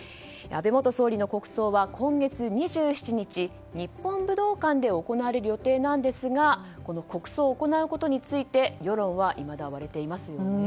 安倍元総理の国葬は今月２７日、日本武道館で行われる予定なんですが国葬を行うことについて世論はいまだに割れていますよね。